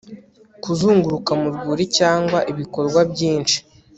Kuzunguruka mu rwuri cyangwa ibikorwa byinshi